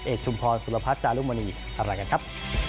เอ็ดชุมพรสุรพัฒน์จารุมณีขอบคุณครับ